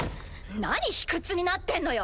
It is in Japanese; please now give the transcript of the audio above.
何卑屈になってんのよ。